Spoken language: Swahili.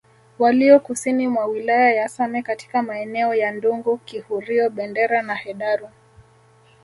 walio kusini mwa wilaya ya Same katika maeneo ya Ndungu Kihurio Bendera na Hedaru